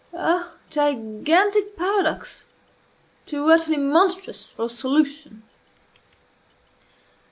Oh, gigantic paradox, too utterly monstrous for solution!